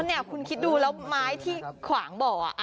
นี่คุณคิดดูแล้วไม้ที่ขวางบ่อ